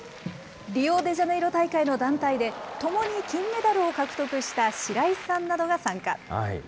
リオデジャネイロ大会の団体でともに金メダルを獲得した白井さんなどが参加。